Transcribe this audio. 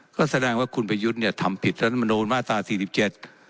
ก็แสดงว่าคุณประยุทธ์เนี่ยทำผิดรัฐมนูลมาตราสี่สิบเจ็ด